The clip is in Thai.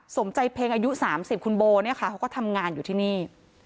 สมใจเพ็งอายุ๓๐คุณโบเนี่ยค่ะเขาก็ทำงานอยู่ที่นี่